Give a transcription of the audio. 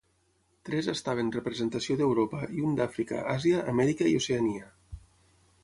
Tres estaven representació d'Europa i un d'Àfrica, Àsia, Amèrica i Oceania.